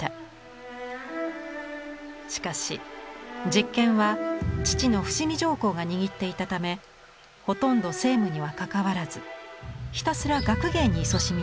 しかし実権は父の伏見上皇が握っていたためほとんど政務には関わらずひたすら学芸にいそしみました。